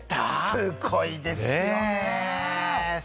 すごいですよね。